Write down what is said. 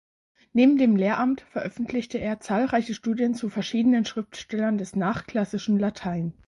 Neben dem Lehramt veröffentlichte er zahlreiche Studien zu verschiedenen Schriftstellern des nachklassischen Latein.